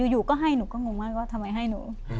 อยู่ก็ให้หนูก็งงมากว่าทำไมให้หนู